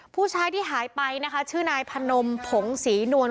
ผู้ชายที่หายไปนะคะชื่อนายพนมผงศรีนวล